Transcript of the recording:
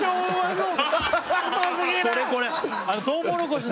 そう！